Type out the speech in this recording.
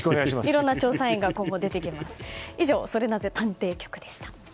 いろんな調査員が今後、出てきます。